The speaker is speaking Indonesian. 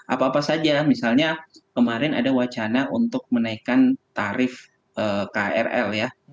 apa apa saja misalnya kemarin ada wacana untuk menaikkan tarif krl ya